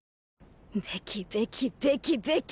「べきべきべきべき」